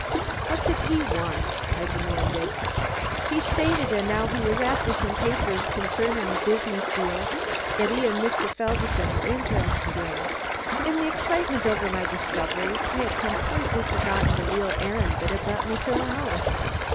"What did he want?" I demanded. "He stated as 'ow 'e was after some papers concerning a business deal that 'e and Mr. Felderson were interested in." In the excitement over my discovery, I had completely forgotten the real errand that had brought me to the house.